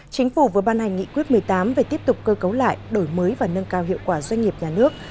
chính phủ vừa ban hành nghị quyết một mươi tám về tiếp tục cơ cấu lại đổi mới và nâng cao hiệu quả doanh nghiệp nhà nước